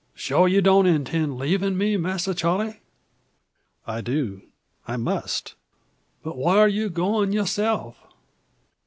"Sure you don't intend leavin' me, Masser Charle?" "I do I must." "But whar you goin' youself?"